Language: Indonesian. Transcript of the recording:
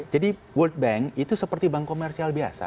jadi world bank itu seperti bank komersial biasa